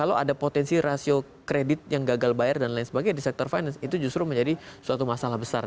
kalau ada potensi rasio kredit yang gagal bayar dan lain sebagainya di sektor finance itu justru menjadi suatu masalah besar